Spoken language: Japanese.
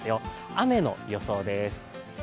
雨の予想です。